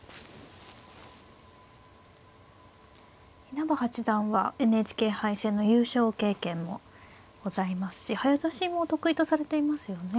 稲葉八段はＮＨＫ杯戦の優勝経験もございますし早指しも得意とされていますよね。